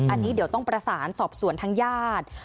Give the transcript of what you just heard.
อันนี้เดี๋ยวต้องประสานสอบสวนทางญาติ